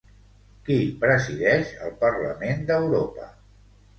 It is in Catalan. Qui presideix el Parlament d'Europa?